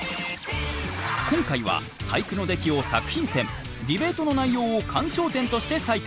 今回は俳句の出来を作品点ディベートの内容を鑑賞点として採点。